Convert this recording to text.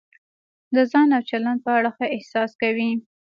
د ځان او چلند په اړه ښه احساس کوئ.